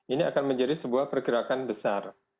ini akan menjadi sebuah pergerakan besar